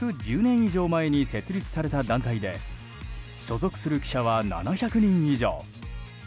以上前に設立された団体で所属する記者は７００人以上。